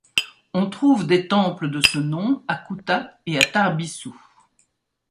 On trouve des temples de ce nom à Kutha et à Tarbisu.